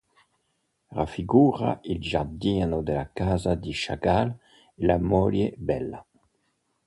Raffigura il giardino della casa di Chagall e la moglie Bella